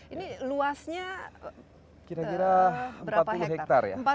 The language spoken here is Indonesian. ini luasnya kira kira berapa hektar ya